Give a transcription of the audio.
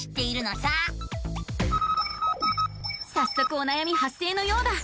さっそくおなやみ発生のようだ。